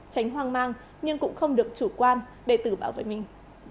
tránh hoang mang nhưng cũng không được chủ quan để từ bảo vệ mình